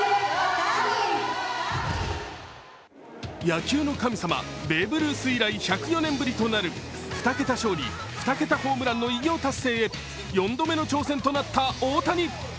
野球の神様ベーブ・ルース以来１０４年ぶりとなる２桁勝利・２桁ホームランの偉業達成へ４度目の挑戦となった大谷。